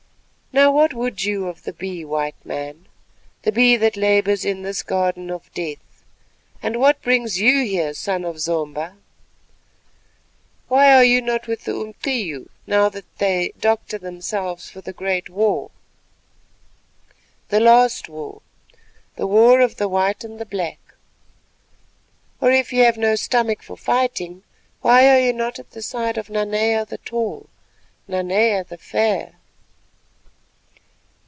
Now what would you of the Bee, White Man, the Bee that labours in this Garden of Death, and—what brings you here, son of Zomba? Why are you not with the Umcityu now that they doctor themselves for the great war—the last war—the war of the white and the black—or if you have no stomach for fighting, why are you not at the side of Nanea the tall, Nanea the fair?"